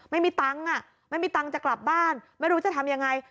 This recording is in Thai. ไม่มีตังค์อ่ะไม่มีตังค์จะกลับบ้านไม่รู้จะทำยังไง